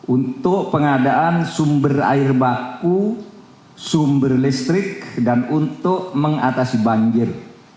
untuk pengadaan sumber air baku sumber listrik dan untuk mengatasi banjir